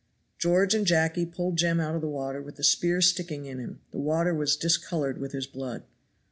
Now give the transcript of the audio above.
George and Jacky pulled Jem out of the water with the spear sticking in him; the water was discolored with his blood.